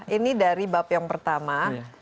ini dari bab yang pertama